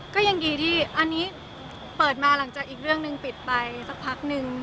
ก็ยังดีที่อันนี้เปิดมาหลังจากอีกเรื่องหนึ่งปิดไปสักพักนึง